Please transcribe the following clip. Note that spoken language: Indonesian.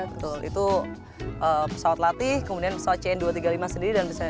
betul itu pesawat latih kemudian pesawat cn dua ratus tiga puluh lima sendiri